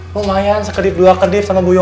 lumayan sekedip dua kedip sama bu yoyo